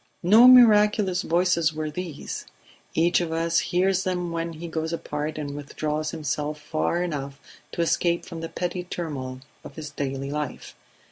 No miraculous voices were these; each of us hears them when he goes apart and withdraws himself far enough to escape from the petty turmoil of his daily life.